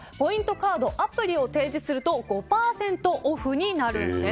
カード・アプリを提示すると５％オフになるんです。